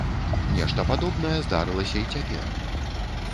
Нешта падобнае здарылася і цяпер.